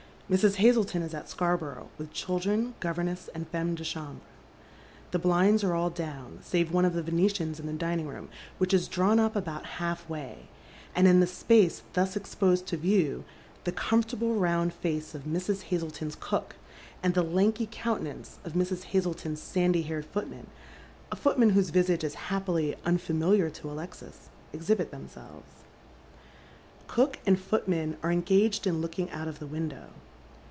Mrs. Hazleton is at Scarborough, wth children^ governess, and fernme de chambre. The blinds are all down, save one of the Venetians in the dining room, wliich is drawn up about halfway, and in the space tlius exposed to view the coiu fortable runnd faco of Mrs. Ilazleton's cook, and the lanky coun At Arm^s Length. 117 tnnance of Mrs. Hazleton's sandy haired footman — a footman whose visage is happily unfamiliar to Alexis— exhibit themselves. Cook and footman are engaged in looking out of the window.